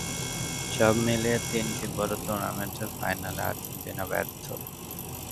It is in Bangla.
সব মিলিয়ে তিনটি বড় টুর্নামেন্টের ফাইনালেই আর্জেন্টিনা ব্যর্থ।